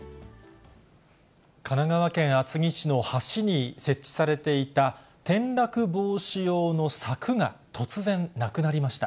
神奈川県厚木市の橋に設置されていた転落防止用の柵が突然なくなりました。